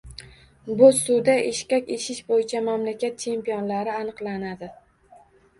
Bo‘zsuvda eshkak eshish bo‘yicha mamlakat chempionlari aniqlanadi